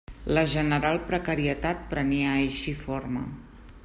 La general precarietat prenia així forma.